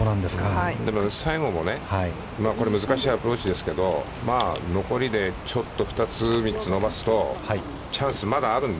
でも、西郷も、これ難しいアプローチですけど、まあ、残りでちょっと２つ３つ、伸ばすと、チャンスまだあるので。